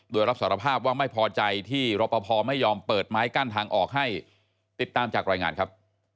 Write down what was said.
โดยรับสารภาพว่าไม่พอใจที่รปภไม่ยอมเปิดไม้กั้นทางออกให้ติดตามจากรายงานครับ